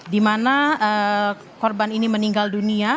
di mana korban ini meninggal dunia